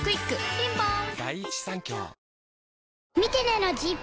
ピンポーン